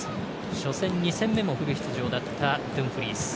初戦、２戦目もフル出場だったドゥンフリース。